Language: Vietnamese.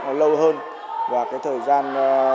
nó lâu hơn và thời gian